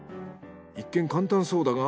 一見簡単そうだが。